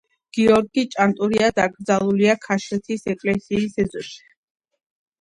გიორგი ჭანტურია დაკრძალულია ქაშვეთის ეკლესიის ეზოში.